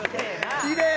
きれい！